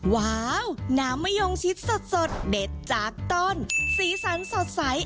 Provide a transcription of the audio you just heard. ว้าวน้ำมะยงชิดสดเด็ดจากต้นสีสันสดใส